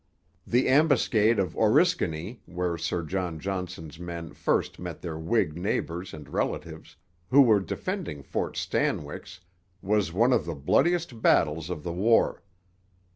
The ambuscade of Oriskany, where Sir John Johnson's men first met their Whig neighbours and relatives, who were defending Fort Stanwix, was one of the bloodiest battles of the war.